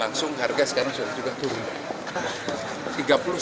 langsung harga sekarang sudah juga turun